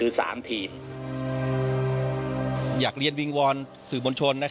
แล้วก็กำหนดทิศทางของวงการฟุตบอลในอนาคต